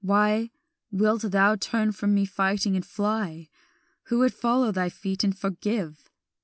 why Wilt thou turn from me fighting, and fly, Who would follow thy feet and forgive?